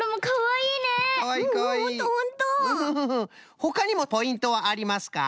ほかにもポイントはありますか？